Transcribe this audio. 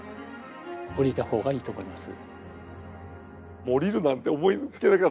下りた方がいいと思います。